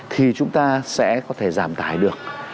thì chúng ta sẽ có thể giảm tải được